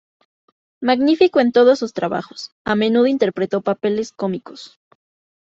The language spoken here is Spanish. Magnífico en todos sus trabajos, a menudo interpretó papeles cómicos.